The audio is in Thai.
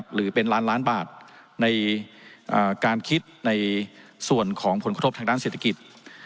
หรือเป็นล้านล้านบาทในการคิดในส่วนของผลกระทบทางด้านเศรษฐกิจ